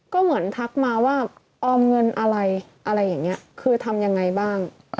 ก็เหมือนทักมาว่าออมเงินอะไรอะไรอย่างนี้คือทำยังไงบ้าง